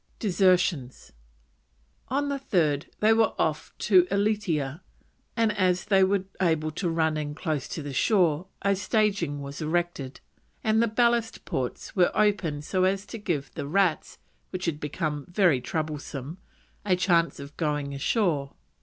DESERTIONS. On the 3rd they were off Ulietea, and as they were able to run in close to the shore a staging was erected, and the ballast ports were opened so as to give the rats, which had become very troublesome, a chance of going ashore.